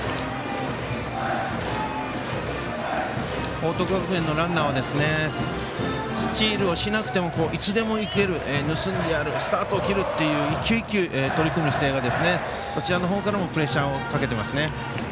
報徳学園のランナーはスチールをしなくてもいつでもいける盗んでやるスタートを切るっていう一球一球取り組む姿勢がそちらの方からもプレッシャーをかけてますね。